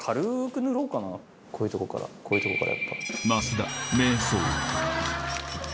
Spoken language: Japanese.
こういうとこからこういうとこからやっぱ。